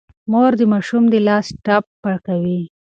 مور د ماشوم د لاس ټپ پاکوي.